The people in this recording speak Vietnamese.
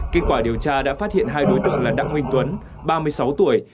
kết quả điều tra đã phát hiện hai đối tượng là đặng minh tuấn ba mươi sáu tuổi